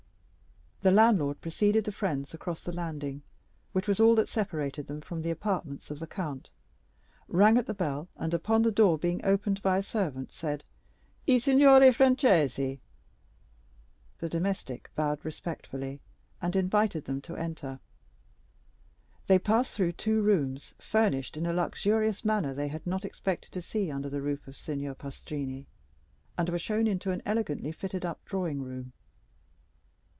The landlord preceded the friends across the landing, which was all that separated them from the apartments of the count, rang at the bell, and, upon the door being opened by a servant, said: "I signori Francesi." The domestic bowed respectfully, and invited them to enter. They passed through two rooms, furnished in a luxurious manner they had not expected to see under the roof of Signor Pastrini, and were shown into an elegantly fitted up drawing room.